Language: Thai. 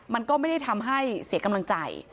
มันก็ไม่ได้ทำให้เสียกำลังใจ